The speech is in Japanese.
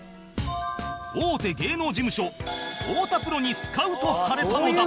大手芸能事務所太田プロにスカウトされたのだ